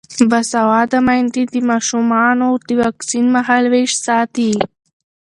باسواده میندې د ماشومانو د واکسین مهالویش ساتي.